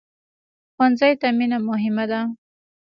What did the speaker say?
ښوونځی ته مینه مهمه ده